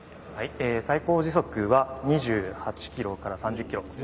最高時速は２８キロから３０キロ。